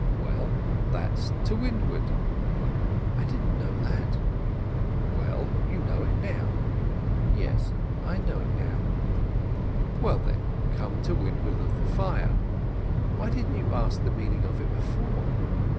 "Well, that's to windward." "I didn't know that." "Well, you know it now." "Yes, I know it now." "Well, then, come to windward of the fire. Why didn't you ask the meaning of it before?"